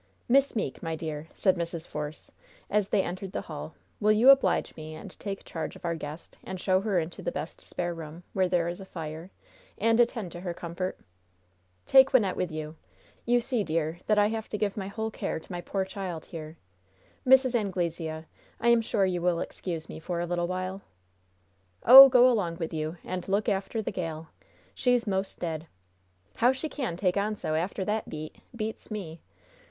"Miss Meeke, my dear," said Mrs. Force, as they entered the hall, "will you oblige me and take charge of our guest, and show her into the best spare room, where there is a fire, and attend to her comfort? Take Wynnette with you. You see, dear, that I have to give my whole care to my poor child here. Mrs. Anglesea, I am sure you will excuse me for a little while?" "Oh, go along with you and look after the gal! She's 'most dead! How she can take on so after that beat beats me!